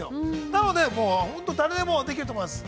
なので、ほんと誰でもできると思います。